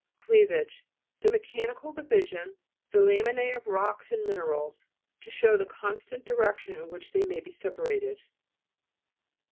CLEAVAGE The mechanical divi sion, the laminae of rocks and mine rals, to show the constant direc tion in which they may be sepa rated.